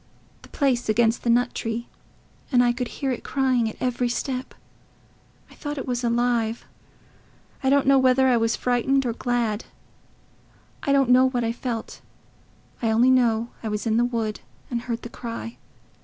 the place against the nut tree; and I could hear it crying at every step.... I thought it was alive.... I don't know whether I was frightened or glad... I don't know what I felt. I only know I was in the wood and heard the cry.